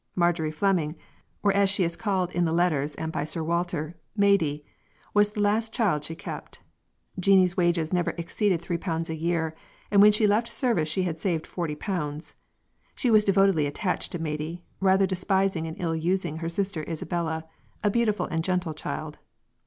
Marjorie Fleming or as she is called in the letters and by Sir Walter, Maidie was the last child she kept. Jeanie's wages never exceeded £3 a year, and when she left service she had saved £40. She was devotedly attached to Maidie, rather despising and ill using her sister Isabella, a beautiful and gentle child.